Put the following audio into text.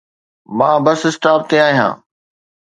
مان bus stop تي آهيان.